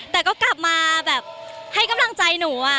แต่ก็กลับมาแบบให้กำลังใจหนู